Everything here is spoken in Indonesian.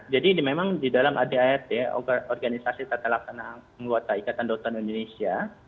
jadi memang di dalam idi organisasi tertelakkan anggota ikatan dokter indonesia